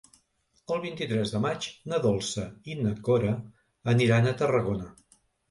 El vint-i-tres de maig na Dolça i na Cora aniran a Tarragona.